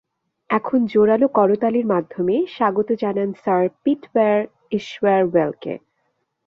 এখন, জোরাল করতালির মাধ্যমে স্বাগত জানান স্যার পিটয়ার ইশ্যারওয়েলকে!